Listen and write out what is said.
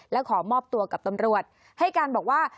และขอมอบตัวกับตำรวจให้การบอกว่า